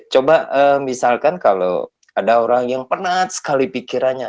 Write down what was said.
coba misalkan kalau ada orang yang penat sekali pikirannya